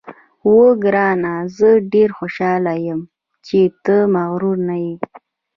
اوه ګرانه، زه ډېره خوشاله یم چې ته مغرور نه یې.